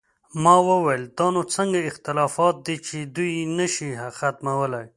ما وویل: دا نو څنګه اختلافات دي چې دوی یې نه شي ختمولی؟